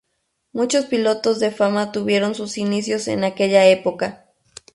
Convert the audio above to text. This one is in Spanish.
Muchos pilotos de fama tuvieron sus inicios en aquella copa.